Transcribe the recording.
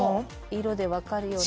色で分かるように。